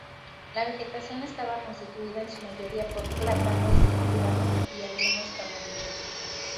La vegetación estaba constituida, en su mayoría, por plátanos del Líbano y algunos tamarindos.